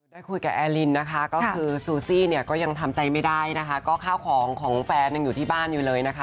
ได้คุยกับแอลินนะคะก็คือซูซี่เนี่ยก็ยังทำใจไม่ได้นะคะก็ข้าวของของแฟนยังอยู่ที่บ้านอยู่เลยนะคะ